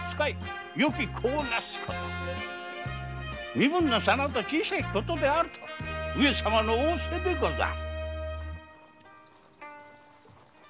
身分の差など小さいことだと上様の仰せでござる。